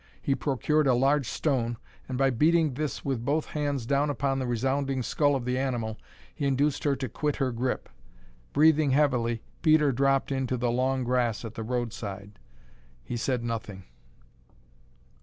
He procured a large stone, and by beating this with both hands down upon the resounding skull of the animal, he induced her to quit her grip. Breathing heavily, Peter dropped into the long grass at the road side. He said nothing.